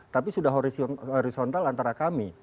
tapi sudah horizontal antara kami